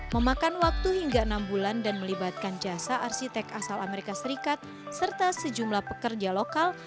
memakan waktu hingga enam bulan dan melibatkan jasa arsitek asal amerika serikat serta sejumlah pekerja lokal